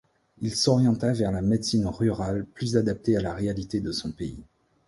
Il s'orienta vers la médecine rurale plus adaptée à la réalité de son pays.